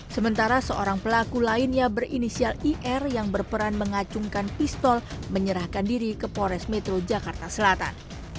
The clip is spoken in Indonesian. sementara seorang pelaku lainnya berinisial ir yang berperan mengacungkan pistol menyerahkan diri ke pores metro jakarta selatan